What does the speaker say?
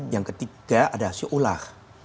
yang ketiga ada show ular